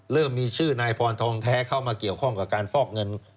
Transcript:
มีชื่อนายพรทองแท้เข้ามาเกี่ยวข้องกับการฟอกเงิน